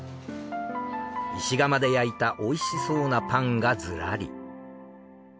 石窯で焼いたおいしそうなパンがずらり。